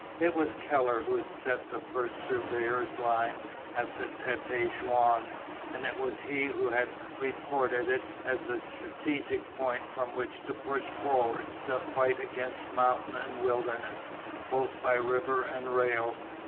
It was Keller who had set the first surveyor's line at Tête Jaune, and it was he who had reported it as the strategic point from which to push forward the fight against mountain and wilderness, both by river and rail.